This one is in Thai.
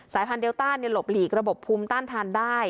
พันธเลต้าหลบหลีกระบบภูมิต้านทานได้